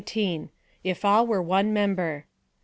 If all were one member.